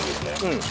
うん。